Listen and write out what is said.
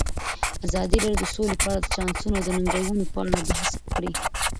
ازادي راډیو د سوله په اړه د چانسونو او ننګونو په اړه بحث کړی.